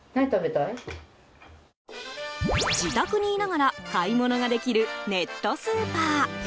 自宅にいながら買い物ができるネットスーパー。